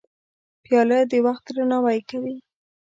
پیاله د وخت درناوی کوي.